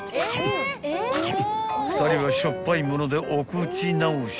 ［２人はしょっぱいものでお口直し］